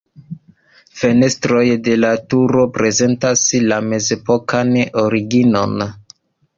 Fenestroj de la turo prezentas la mezepokan originon.